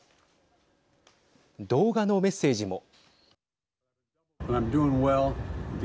動画のメッセージも。